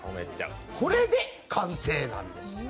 これで完成なんです。